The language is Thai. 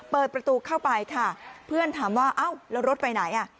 เปิดประตูเข้าไปค่ะเพื่อนถามว่าเอ้าแล้วรถไปไหนอ่ะ